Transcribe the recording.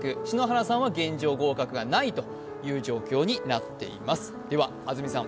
篠原さんは現状、合格がないという状況になっています。